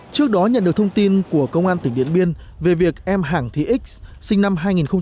trước đó nhận được thông tin của công an tỉnh điện biên về việc em hàng thị x sinh năm hai nghìn một mươi